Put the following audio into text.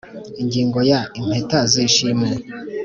Ingingo ya impeta z ishimwe